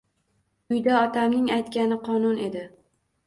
Uyda otamning aytgani qonun edi